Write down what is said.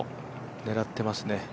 狙ってますね。